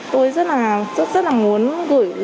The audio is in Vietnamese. tôi rất là muốn gửi